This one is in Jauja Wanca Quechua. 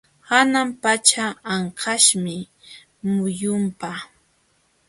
Hanan pacha anqaśhmi muyunpa.